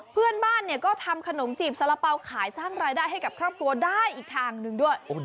เพื่อนบ้านก็ทำขนมจีบสารเป๋าขายสร้างรายได้ให้กับครอบครัวได้อีกทางหนึ่งด้วย